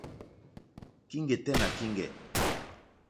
Kíŋgɛ̀ tɛ́ nà kíŋgɛ̀.